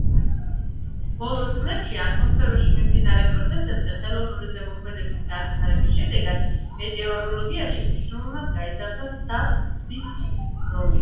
ბოლო წლებში ატმოსფეროში მიმდინარე პროცესებზე ხელოვნური ზემოქმედების განვითარების შედეგად მეტეოროლოგიაში მნიშვნელოვნად გაიზარდა ცდას როლი.